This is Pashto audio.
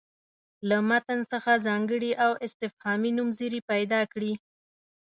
له متن څخه ځانګړي او استفهامي نومځړي پیدا کړي.